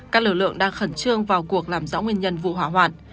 các lực lượng đang khẩn trương vào cuộc làm rõ nguyên nhân vụ hỏa hoạn